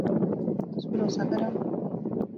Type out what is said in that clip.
تس بھروسہ کرا